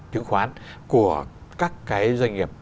chữ khoán của các cái doanh nghiệp